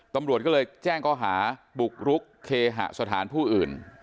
ตำรวจก็เลยแจ้งข้อหาบุกรุกเคหสถานผู้อื่น